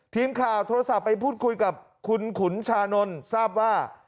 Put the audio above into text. ทีมข่าวโทรศัพท์ไปพูดคุยกับคุณขุนชานนท์ทราบว่า